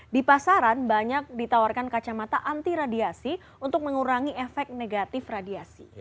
di pasaran banyak ditawarkan kacamata anti radiasi untuk mengurangi efek negatif radiasi